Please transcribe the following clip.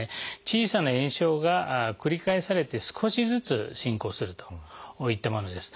小さな炎症が繰り返されて少しずつ進行するといったものです。